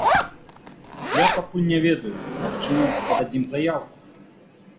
Я пакуль не ведаю, магчыма, пададзім заяўку.